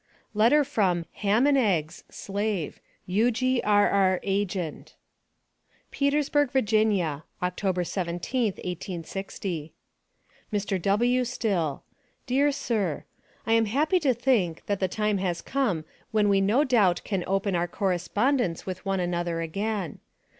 LETTER FROM HAM & EGGS, SLAVE (U.G.R.R. AG'T). PETERSBURG, VA., Oct. 17th, 1860. MR. W. STILL: Dear Sir I am happy to think, that the time has come when we no doubt can open our correspondence with one another again.